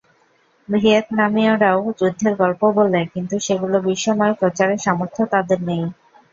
ভিয়েতনামীয়রাও যুদ্ধের গল্প বলে কিন্তু সেগুলো বিশ্বময় প্রচারের সামর্থ্য তাদের নেই।